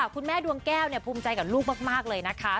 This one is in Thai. คุณแม่ดวงแก้วภูมิใจกับลูกมากเลยนะคะ